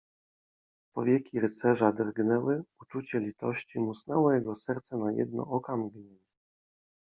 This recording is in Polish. Powieki rycerza drgnęły, uczucie litości musnęło jego serce na jedno okamgnienie.